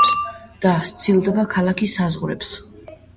და სცილდება ქალაქის საზღვრებს.